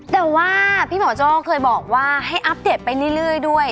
แต่ว่าพี่หมอโจ้เคยบอกว่าให้อัปเดตไปเรื่อยด้วย